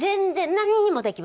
なんにもできません。